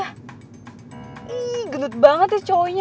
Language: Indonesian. ih gendut banget ya cowoknya